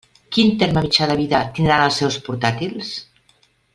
Quin terme mitjà de vida tindran els seus portàtils?